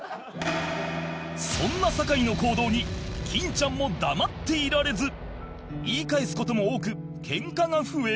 そんな坂井の行動に金ちゃんも黙っていられず言い返す事も多くケンカが増え